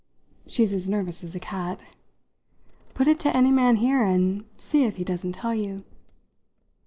She's as nervous as a cat. Put it to any man here, and see if he doesn't tell you."